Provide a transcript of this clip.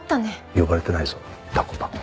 呼ばれてないぞたこパ。